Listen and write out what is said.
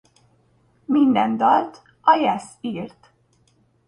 Minden dalt a Yes írt.